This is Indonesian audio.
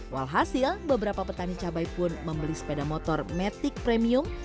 wal hasil beberapa petani cabai pun membeli sepeda motor matic premium